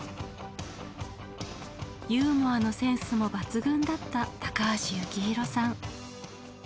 ユーモアのセンスも抜群だった高橋幸宏さん。